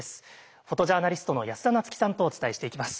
フォトジャーナリストの安田菜津紀さんとお伝えしていきます。